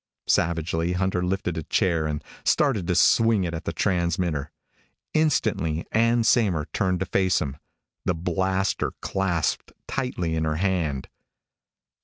Savagely Hunter lifted a chair and started to swing it at the transmitter. Instantly, Ann Saymer turned to face him, the blaster clasped tightly in her hand.